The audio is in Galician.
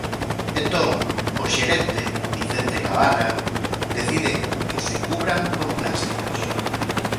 Entón, o xerente, Vicente Cavanna, decide que se cubran con plásticos.